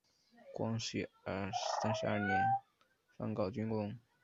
光绪三十二年方告竣工。